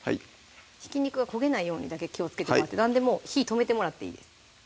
ひき肉が焦げないようにだけ気をつけてもらってなんでもう火止めてもらっていいです